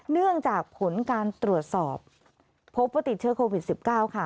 เนื่องจากผลการตรวจสอบพบว่าติดเชื้อโควิด๑๙ค่ะ